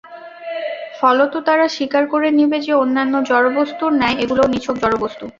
ফলত তারা স্বীকার করে নিবে যে, অন্যান্য জড়বস্তুর ন্যায় এগুলোও নিছক জড়বস্তু।